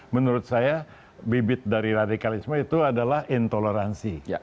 menurut saya bibit dari radikalisme itu adalah intoleransi